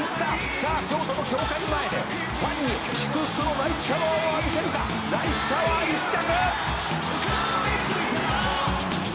「さあ京都の教会前でファンに祝福のライスシャワーを浴びせるか」「ライスシャワー１着！」